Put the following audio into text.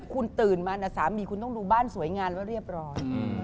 คุณตื่นมานะสามีคุณต้องดูบ้านสวยงามว่าเรียบร้อย